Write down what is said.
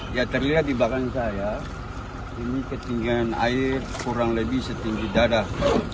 ya terlihat di belakang saya ini ketinggian air kurang lebih setinggi dadah